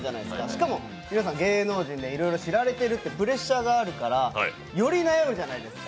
しかも皆さん芸能人でいろいろ知られてるってプレッシャーがあるからより悩むじゃないですか。